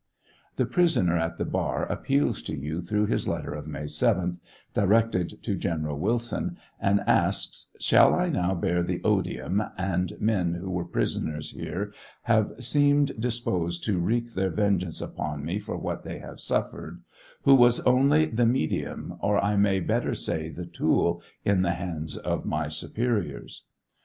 The prisoner at the bar appeals to you through his letter of May 7lh, directed to General Wilson, and asks, " Shall I now bear the odium (and men who were prisoncs here have seemed disposed wreak their vengeance upon me for what they have suffered) who was only the medium or I may better say the tool in the hands of my superiors."